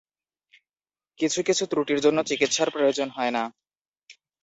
কিছু কিছু ত্রুটির জন্য চিকিৎসার প্রয়োজন হয় না।